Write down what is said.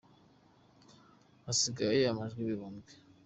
hasigare amajwi ibihumbi